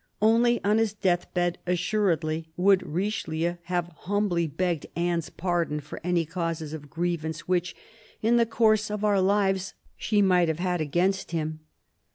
Only on his death bed assuredly would Richelieu have humbly begged Anne's pardon for any causes of grievance which, " in the course of our lives," she ihight have had against him.